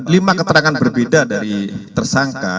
lima keterangan berbeda dari tersangka